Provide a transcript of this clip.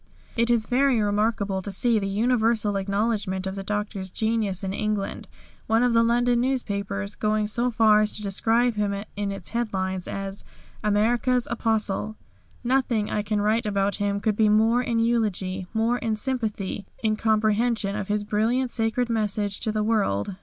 It is very remarkable to see the universal acknowledgments of the Doctor's genius in England, one of the London newspapers going so far as to describe him in its headlines as "America's Apostle." Nothing I could write about him could be more in eulogy, more in sympathy in comprehension of his brilliant sacred message to the world.